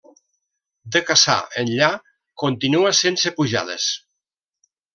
De Cassà enllà, continua sense pujades.